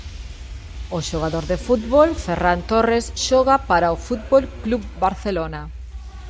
O xogador de fútbol Ferran Torres xoga para o Fútbol Club Barcelona.